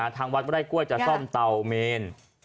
ทางวัดไม่ได้กล้วยจะซ่อมเตาเมน